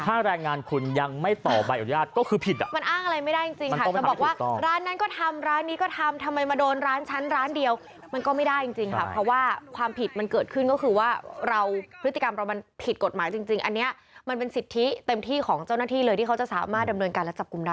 ถ้าแรงงานคุณยังไม่ต่อใบอนุญาตก็คือผิดอ่ะมันอ้างอะไรไม่ได้จริงค่ะจะบอกว่าร้านนั้นก็ทำร้านนี้ก็ทำทำไมมาโดนร้านฉันร้านเดียวมันก็ไม่ได้จริงจริงค่ะเพราะว่าความผิดมันเกิดขึ้นก็คือว่าเราพฤติกรรมเรามันผิดกฎหมายจริงอันนี้มันเป็นสิทธิเต็มที่ของเจ้าหน้าที่เลยที่เขาจะสามารถดำเนินการและจับกลุ่มได้